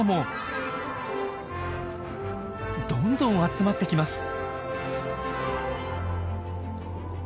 どんどん集まってきます。